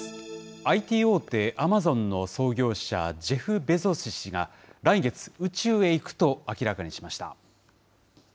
ＩＴ大手、アマゾンの創業者、ジェフ・ベゾス氏が来月、宇宙へ行くと明らかにしました。